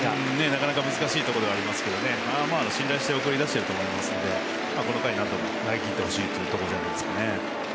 なかなか難しいところではありますが信頼して送り出してると思いますのでこの回、何とか投げ切ってほしいところじゃないでしょうか。